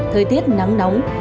thời tiết nắng nóng